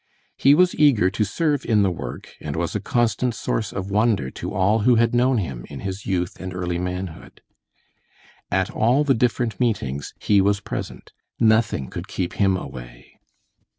He was eager to serve in the work, and was a constant source of wonder to all who had known him in his youth and early manhood. At all the different meetings he was present. Nothing could keep him away.